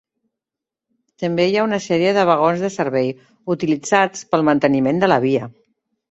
També hi ha una sèrie de vagons de servei, utilitzats per al manteniment de la via.